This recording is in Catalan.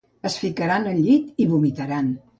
Es ficaran al llit i vomitaran.